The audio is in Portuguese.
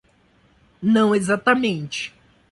Não exatamente